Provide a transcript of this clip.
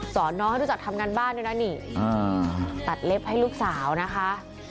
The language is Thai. น้องให้รู้จักทำงานบ้านด้วยนะนี่ตัดเล็บให้ลูกสาวนะคะ